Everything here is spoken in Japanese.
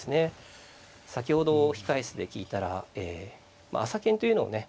先ほど控え室で聞いたら朝研というのをね